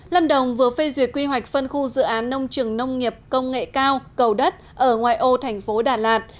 lâm đồng vừa phê duyệt quy hoạch phân khu dự án nông trường nông nghiệp công nghệ cao cầu đất ở ngoài ô thành phố đà lạt